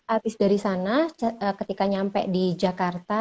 artis dari sana ketika nyampe di jakarta